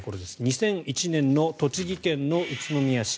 ２００１年の栃木県の宇都宮市。